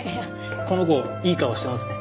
この子いい顔してますね。